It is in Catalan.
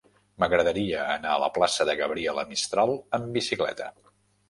M'agradaria anar a la plaça de Gabriela Mistral amb bicicleta.